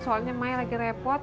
soalnya mai lagi repot